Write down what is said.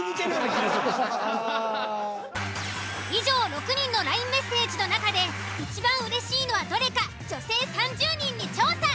以上６人のＬＩＮＥメッセージの中でいちばんうれしいのはどれか女性３０人に調査。